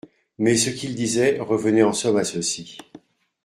Mais ce qu'il disait revenait en somme à ceci.